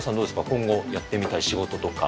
今後、やってみたい仕事とか。